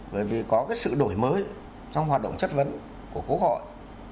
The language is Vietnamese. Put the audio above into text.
bởi vì có cái sự đổi mới trong hoạt động chất vấn của quốc hội